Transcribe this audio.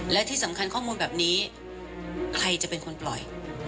และที่สำคัญข้อมูลแบบนี้ใครจะเป็นคนปล่อย